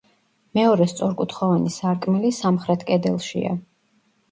მეორე სწორკუთხოვანი სარკმელი სამხრეთ კედელშია.